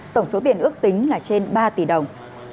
tổng số tiền ước tính là trên ba tỷ đồng